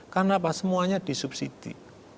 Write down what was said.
karena apa semuanya disubsidi